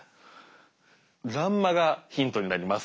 欄間がヒントになります。